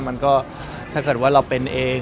มันก็ถ้าเกิดว่าเราเป็นเอง